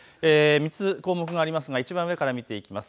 ３つ項目がありますがいちばん上から見ていきます。